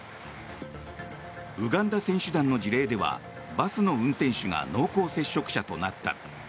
ウガンダ選手団の事例ではバスの運転手が濃厚接触者となった。